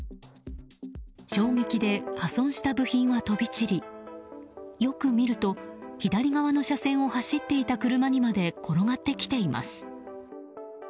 衝撃で破損した部品は飛び散りよく見ると左側の車線を走っていた車にまで転がってきています。